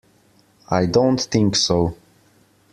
I don't think so.